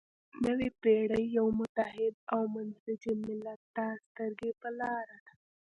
نوې پېړۍ یو متحد او منسجم ملت ته سترګې په لاره ده.